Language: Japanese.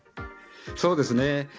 そうですね。